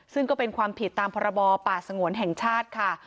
ซึ่งก็เป็นความผิดตามพรบป่าสงวนแห่งชาติค่ะ